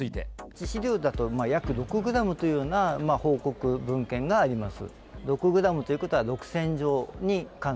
致死量だと、約６グラムというような報告、文献があります。